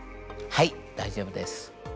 はい大丈夫です。